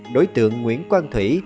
đối tượng nguyễn quang thủy